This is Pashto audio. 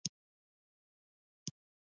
• لمر د نورو پټو موجوداتو لپاره اړین دی.